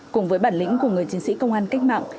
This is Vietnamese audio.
cùng với bản lĩnh của người chiến sĩ công an cách mạng